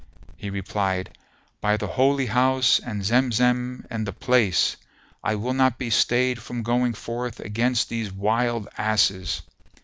He replied, "By the Holy House and Zemzem and the Place![FN#450] I will not be stayed from going forth against these wild asses."